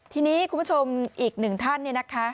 ทีนี้คุณผู้ชมอีกหนึ่งท่านเนี่ยนะคะ